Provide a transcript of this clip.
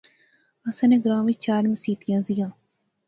اساں نے گراں وچ چار مسیتاں زیاں